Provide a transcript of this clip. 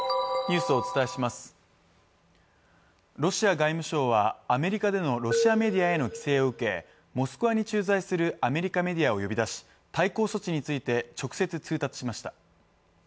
ロシア外務省は、アメリカでのロシアメディアへの規制を受け、モスクワに駐在するアメリカメディアを呼び出し、対抗措置について直接通達しました。